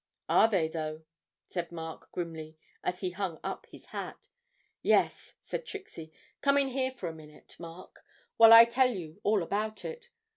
'Are they though?' said Mark grimly, as he hung up his hat. 'Yes,' said Trixie; 'come in here for a minute, Mark, while I tell you all about it.